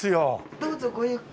どうぞごゆっくり。